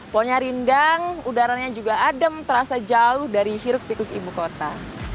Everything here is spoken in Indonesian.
pohonnya rindang udaranya juga adem terasa jauh dari hiruk pikuk ibu kota